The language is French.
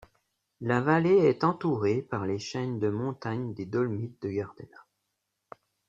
La vallée est entourée par les chaînes de montagnes des Dolomites de Gardena.